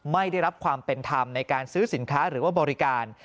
ไม่ได้รับความเป็นธรรมในการซื้อสินค้าหรือว่าบริการ